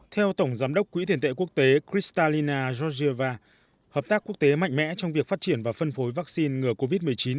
theo tổng giám đốc quỹ tiền tệ quốc tế kristalina georgieva hợp tác quốc tế mạnh mẽ trong việc phát triển và phân phối vaccine ngừa covid một mươi chín